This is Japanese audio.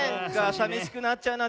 さびしくなっちゃうな。